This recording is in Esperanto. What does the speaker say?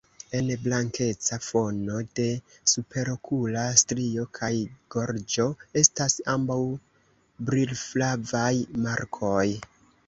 En blankeca fono de superokula strio kaj gorĝo estas ambaŭ brilflavaj markoj.